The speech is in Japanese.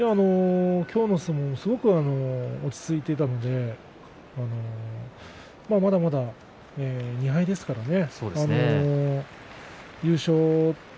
今日の相撲もすごく落ち着いていたのでまだまだ２敗ですからね。